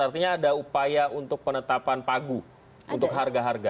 artinya ada upaya untuk penetapan pagu untuk harga harga